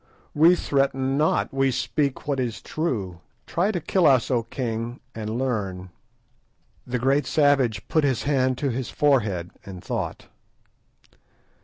"We threaten not, we speak what is true. Try to kill us, O king, and learn." The great savage put his hand to his forehead and thought.